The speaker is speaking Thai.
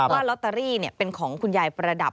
ว่าลอตเตอรี่เป็นของคุณยายประดับ